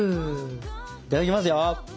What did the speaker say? いただきますよ！